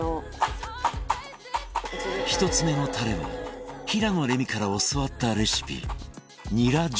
１つ目のタレは平野レミから教わったレシピニラじょう油